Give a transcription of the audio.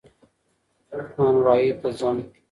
نانوايي ته ځم